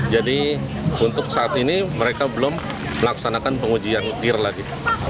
jadi untuk saat ini mereka belum melaksanakan pengujian diri lagi